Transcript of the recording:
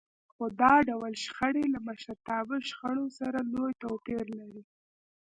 خو دا ډول شخړې له مشرتابه شخړو سره لوی توپير لري.